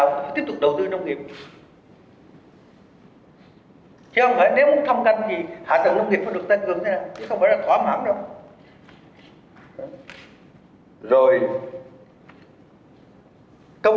philip ngọc cao